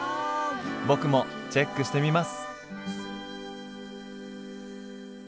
僕もチェックしてみます！